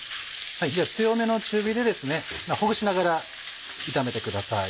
強めの中火でほぐしながら炒めてください。